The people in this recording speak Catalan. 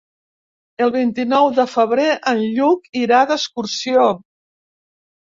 El vint-i-nou de febrer en Lluc irà d'excursió.